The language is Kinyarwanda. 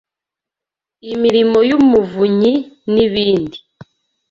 imirimo y’umuvunyi n’ibindi.